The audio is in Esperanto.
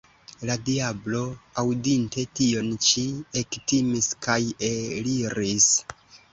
La diablo, aŭdinte tion ĉi, ektimis kaj eliris.